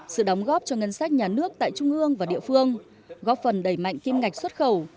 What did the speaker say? sự đóng góp cho ngân sách nhà nước tại trung ương và địa phương góp phần đẩy mạnh kim ngạch xuất khẩu